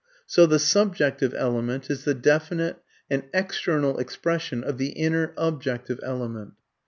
So the subjective element is the definite and external expression of the inner, objective element.